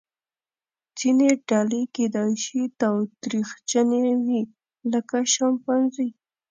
ځینې ډلې کیدای شي تاوتریخجنې وي لکه شامپانزې.